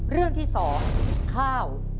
เรื่องที่๒ข้าว